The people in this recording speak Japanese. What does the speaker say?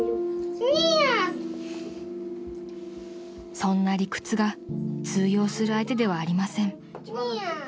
［そんな理屈が通用する相手ではありません］